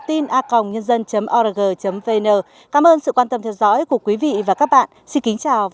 trong các chương trình lần sau